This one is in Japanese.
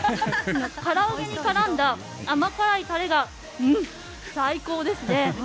から揚げに絡んだ甘辛いタレが最高ですね。